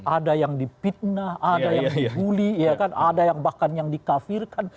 ada yang dipitnah ada yang dibully ada yang bahkan yang dikafirkan